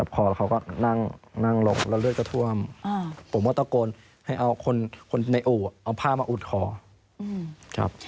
ผมว่า